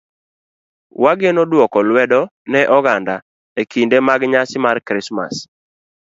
wageno mar dwoko lwedo ne oganda e kinde mag nyasi mar Krismas.